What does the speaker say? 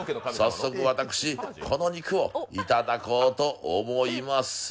早速、私、この肉をいただこうと思います。